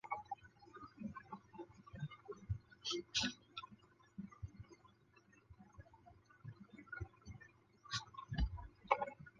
加里宁斯科耶市镇是俄罗斯联邦沃洛格达州托季马区所属的一个市镇。